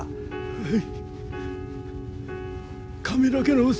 はい。